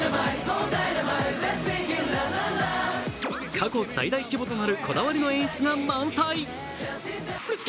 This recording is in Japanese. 過去最大規模となるこだわりの演出が満載。